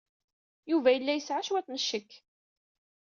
Yuba yella yesɛa cwiṭ n ccek.